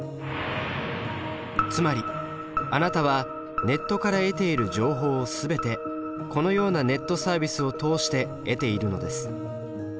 つまりあなたはネットから得ている情報を全てこのようなネットサービスを通して得ているのです。